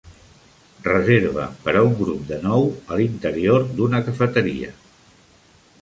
Reserva per a un grup de nou a l'interior d'una cafeteria